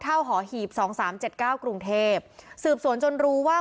หอหีบสองสามเจ็ดเก้ากรุงเทพสืบสวนจนรู้ว่า